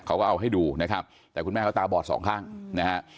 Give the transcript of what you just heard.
เขาก็เอาให้ดูนะครับแต่คุณแม่เขาตาบอดสองข้างนะฮะ